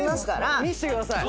見せてください！